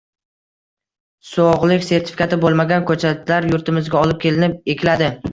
Sog'lik sertifikati bo'lmagan ko'chatlar yurtimizga olib kelinib, ekiladi